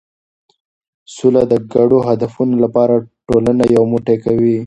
سوله د ګډو هدفونو لپاره ټولنه یو موټی کوي.